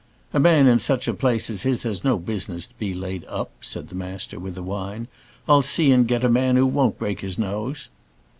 "A man in such a place as his has no business to be laid up," said the master, with a whine. "I'll see and get a man who won't break his nose."